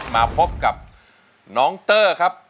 มาพบกับน้องเตอร์ครับ